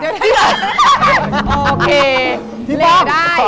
เดี๋ยวโอเคเล่นได้